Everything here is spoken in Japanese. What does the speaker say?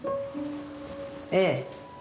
ええ。